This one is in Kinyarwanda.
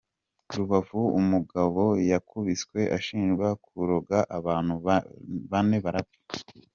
Rubavu umugabo Yakubiswe ashinjwa kuroga abantu bane barapfa